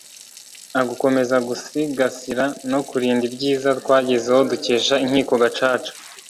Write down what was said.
A gukomeza gusigasira no kurinda ibyiza twagezeho dukesha inkiko gacaca